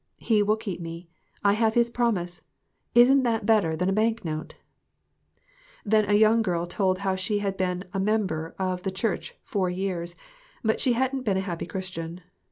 He will keep me. I have his promise. Isn't that better than a bank note ?" Then a young girl told how she had been a member of the church four years, but she hadn't been a happy Christian.